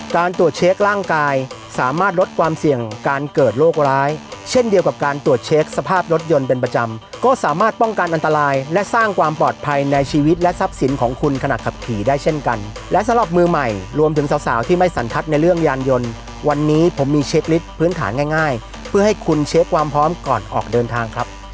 ตรวจเช็คร่างกายสามารถลดความเสี่ยงการเกิดโรคร้ายเช่นเดียวกับการตรวจเช็คสภาพรถยนต์เป็นประจำก็สามารถป้องกันอันตรายและสร้างความปลอดภัยในชีวิตและทรัพย์สินของคุณขณะขับขี่ได้เช่นกันและสำหรับมือใหม่รวมถึงสาวที่ไม่สันทัศน์ในเรื่องยานยนต์วันนี้ผมมีเช็คลิตรพื้นฐานง่ายเพื่อให้คุณเช็คความพร้อมก่อนออกเดินทางครับ